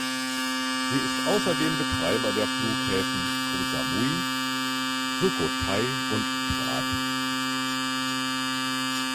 Sie ist außerdem Betreiber der Flughäfen Ko Samui, Sukhothai und Trat.